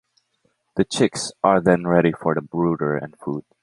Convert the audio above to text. The chicks are then ready for the brooder and food.